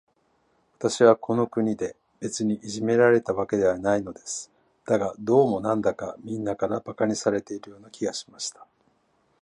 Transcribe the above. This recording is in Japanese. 私はこの国で、別にいじめられたわけではないのです。だが、どうも、なんだか、みんなから馬鹿にされているような気がしました。